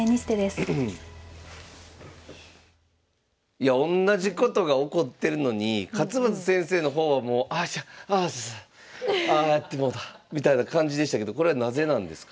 いやおんなじことが起こってるのに勝又先生の方はあちゃああやってもうたみたいな感じでしたけどこれなぜなんですか？